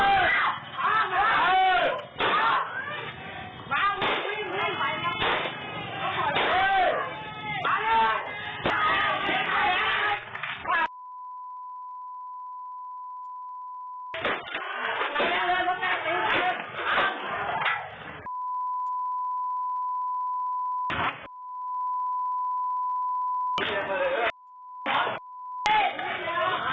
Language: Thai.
อย่าล้อเล่น